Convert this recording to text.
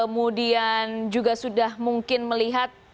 kemudian juga sudah mungkin melihat